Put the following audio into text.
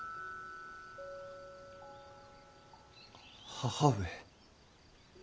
母上。